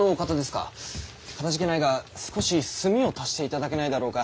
かたじけないが少し炭を足していただけないだろうか。